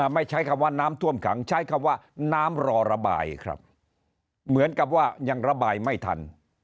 ไม่ใช้คำว่าน้ำท่วมขังใช้คำว่าน้ำรอระบายครับเหมือนกับว่ายังระบายไม่ทัน